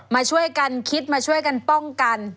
มาช่วยกันคิดมาช่วยกันป้องกัน